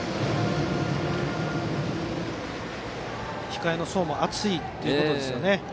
控えの層も厚いということですね。